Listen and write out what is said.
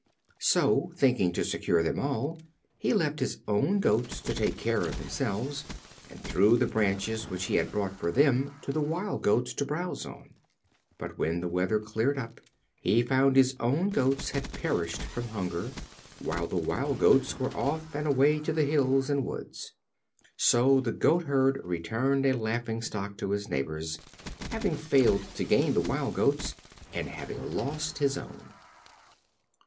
So, thinking to secure them all, he left his own Goats to take care of themselves, and threw the branches which he had brought for them to the Wild Goats to browse on. But when the weather cleared up, he found his own Goats had perished from hunger, while the Wild Goats were off and away to the hills and woods. So the Goatherd returned a laughing stock to his neighbors, having failed to gain the Wild Goats, and having lost his own.